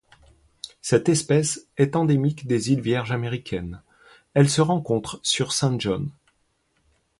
Cette espèce est endémique des îles Vierges américaines, elle se rencontre sur Saint John.